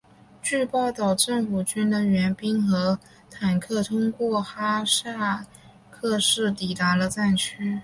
据报道政府军的援兵和坦克通过哈塞克市抵达了战区。